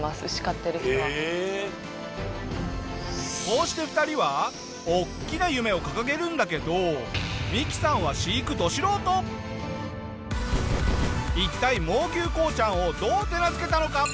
こうして２人は大きな夢を掲げるんだけどミキさんは一体猛牛こうちゃんをどう手なずけたのか？